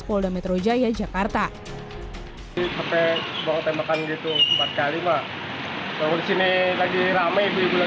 polda metro jaya jakarta sampai bawa tembakan itu empat puluh lima kalau sini lagi rame